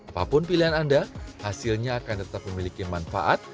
apapun pilihan anda hasilnya akan tetap memiliki manfaat